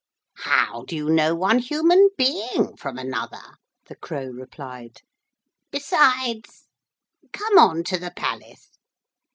'How do you know one human being from another?' the Crow replied. 'Besides ... Come on to the Palace.'